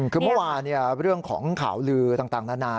คือเมื่อวานเรื่องของข่าวลือต่างนานา